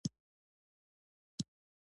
بزګرانو مرغلري په کرلې